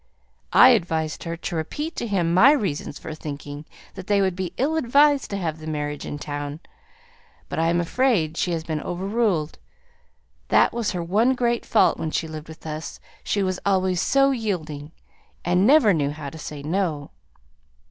I advised her to repeat to him my reasons for thinking that they would be ill advised to have the marriage in town; but I am afraid she has been overruled. That was her one great fault when she lived with us; she was always so yielding, and never knew how to say 'No.'"